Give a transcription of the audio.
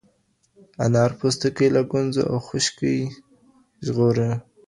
انار پوستکی له ګونځو او خشکي ژغوري.